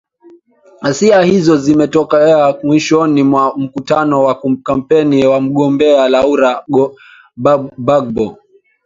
ghasia hizo zimetokea mwishoni mwa mkutano wa kampeni wa mgombea laura bagbo